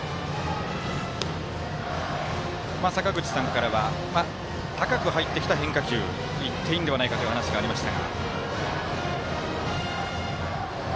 坂口さんからは高く入ってきた変化球、いっていいんではないかという話がありました。